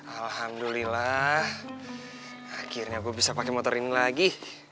alhamdulillah akhirnya aku bisa pakai motor ini lagi